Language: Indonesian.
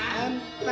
saya ingin berdua